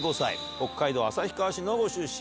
北海道旭川市のご出身。